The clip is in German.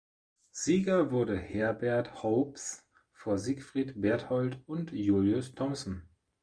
Sieger wurde Herbert Hoops vor Siegfried Bertold und Julius Thomson.